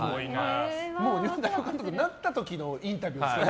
もう日本代表監督になった時のインタビューですよね。